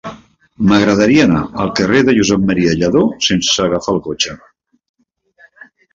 M'agradaria anar al carrer de Josep M. Lladó sense agafar el cotxe.